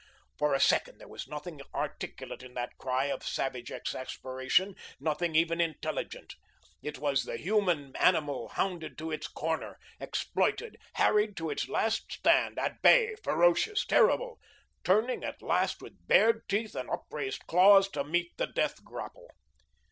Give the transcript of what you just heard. For a second there was nothing articulate in that cry of savage exasperation, nothing even intelligent. It was the human animal hounded to its corner, exploited, harried to its last stand, at bay, ferocious, terrible, turning at last with bared teeth and upraised claws to meet the death grapple.